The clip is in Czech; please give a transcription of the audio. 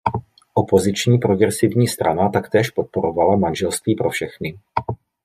Opoziční Progresivní strana taktéž podporovala manželství pro všechny.